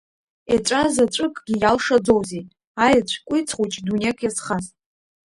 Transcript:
Еҵәазаҵәыкгьы иалшаӡозеи, аеҵә кәицхәыҷ, дунеик иазхаз.